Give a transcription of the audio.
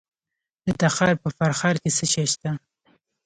د تخار په فرخار کې څه شی شته؟